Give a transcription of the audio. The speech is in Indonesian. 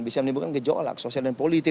bisa menimbulkan gejolak sosial dan politik